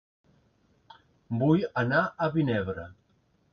Vull anar a Vinebre